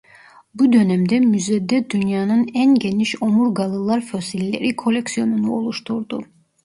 Bu dönemde müzede dünyanın en geniş omurgalılar fosilleri koleksiyonunu oluşturdu.